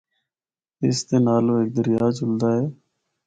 اس دے نالو ہک دریا جُلدا اے۔